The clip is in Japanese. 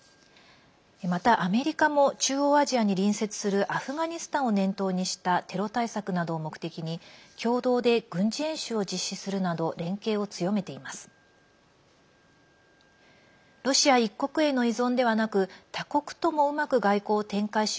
また、アメリカも中央アジアに隣接するアフガニスタンを念頭にしたテロ対策などを目的に共同で軍事演習を実施するなど連携を強めています。